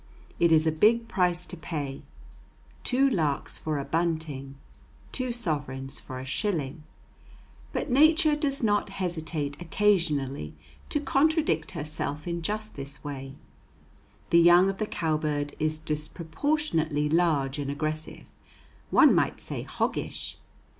It is a big price to pay, two larks for a bunting, two sovereigns for a shilling; but Nature does not hesitate occasionally to contradict herself in just this way. The young of the cowbird is disproportionately large and aggressive, one might say hoggish.